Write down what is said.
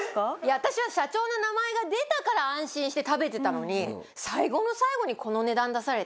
私は社長の名前が出たから安心して食べてたのに最後の最後にこの値段出されて。